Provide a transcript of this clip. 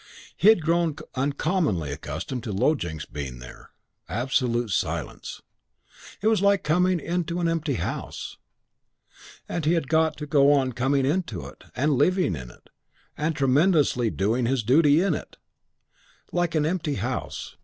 He had grown uncommonly accustomed to Low Jinks being here.... Absolute silence. It was like coming into an empty house. And he had got to go on coming into it, and living in it, and tremendously doing his duty in it. Like an empty house.